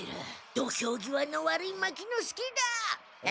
土俵際の悪い牧之介だ。え？